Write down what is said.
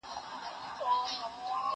ږغ د زهشوم له خوا اورېدل کيږي،